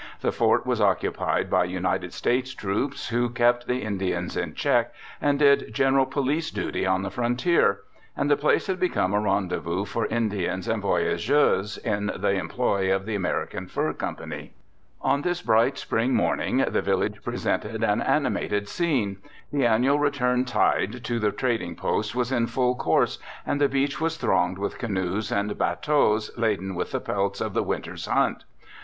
The fort was occupied by United States troops, who kept the Indians in check and did general police duty on the frontier, and the place had become a rendezvous for Indians and voy ageurs in the employ of the American Fur Company. On this bright spring morning the village presented an animated scene. The annual return tide to the trading post was in full course, and the beach was thronged with ^ An Address before the St. Louis Medical Society, October 4, 1902. i6o BIOGRAPHICAL ESSAYS canoes and batteaux laden with the pelts of the winter's hunt.